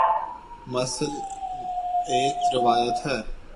مثلا ایک روایت میں